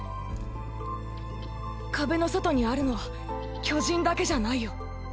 壁の外にあるのは巨人だけじゃないよ。